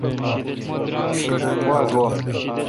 واتہ وہ۔